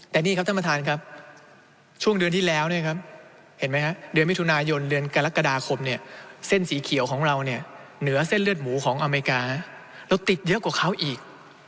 แต่นี่ครับท่านประธานครับช่วงเดือนที่แล้วเนี่ยครับเห็นไหมฮะเดือนมิถุนายนเดือนกรกฎาคมเนี่ยเส้นสีเขียวของเราเนี่ยเหนือเส้นเลือดหมูของอเมริกาแล้วติดเยอะกว่าเขาอีก